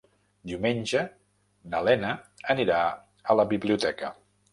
Diumenge na Lena anirà a la biblioteca.